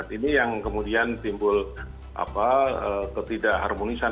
ini yang kemudian timbul ketidak harmonisan